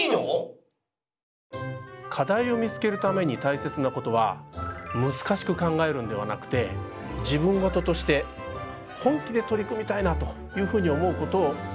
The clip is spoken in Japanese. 課題を見つけるためにたいせつなことはむずかしく考えるんではなくて自分事として本気で取り組みたいなというふうに思うことを書くことなんです。